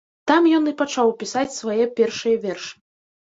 Там ён і пачаў пісаць свае першыя вершы.